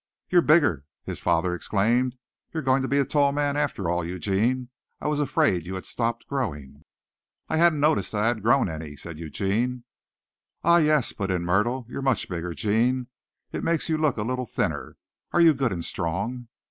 "You're bigger," his father exclaimed. "You're going to be a tall man after all, Eugene. I was afraid you had stopped growing." "I hadn't noticed that I had grown any," said Eugene. "Ah, yes," put in Myrtle. "You're much bigger, Gene. It makes you look a little thinner. Are you good and strong?"